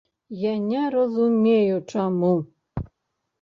Я не разумею чаму.